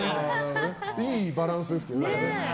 いいバランスですけどね。